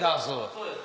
そうです。